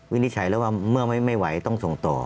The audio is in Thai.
วินิจฉัยแล้วว่าเมื่อไม่ไหวต้องส่งต่อ